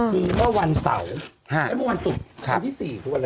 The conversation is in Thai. คือว่าวันเสาร์ค่ะแล้ววันศุกร์ค่ะวันที่สี่คือวันอะไร